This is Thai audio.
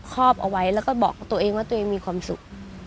ครอบเอาไว้แล้วก็บอกตัวเองว่าตัวเองมีความสุข